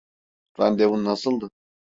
Randevun nasıldı?